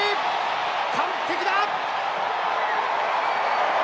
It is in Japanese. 完璧だ！